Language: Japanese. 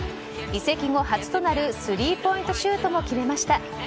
移籍後初となるスリーポイントシュートも決めました。